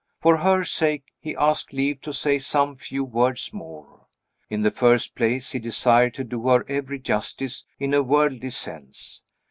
For her sake he asked leave to say some few words more. In the first place, he desired to do her every justice, in a worldly sense.